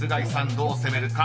どう攻めるか？